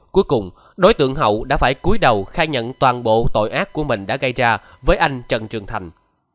cuối cùng đối tượng hậu đã phải cuối đầu khai nhận toàn bộ tội ác của mình đã gây ra với anh trần trường thành